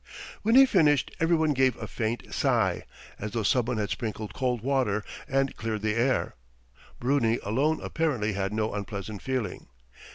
When he finished everyone gave a faint sigh, as though someone had sprinkled cold water and cleared the air. Bruni alone apparently had no unpleasant feeling.